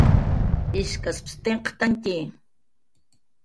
ishkaspsa tinkqhatantyi